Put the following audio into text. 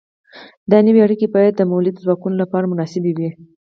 دا نوې اړیکې باید د مؤلده ځواکونو لپاره مناسبې وي.